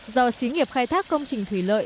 do xí nghiệp khai thác công trình thủy lợi